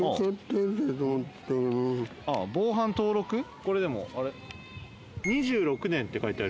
これでもあれ？